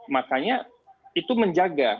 makanya itu menjaga